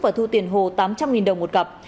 và thu tiền hồ tám trăm linh đồng một cặp